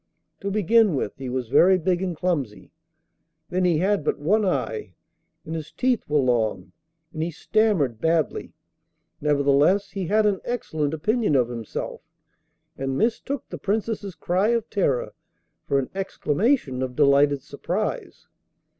To begin with, he was very big and clumsy, then he had but one eye, and his teeth were long, and he stammered badly; nevertheless, he had an excellent opinion of himself, and mistook the Princess's cry of terror for an exclamation of delighted surprise.